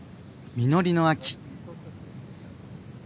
実りの秋。